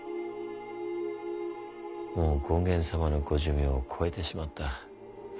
もう権現様のご寿命を超えてしまった。